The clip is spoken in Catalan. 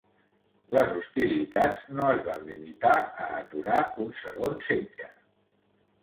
Les hostilitats no es van limitar a aturar un segon setge.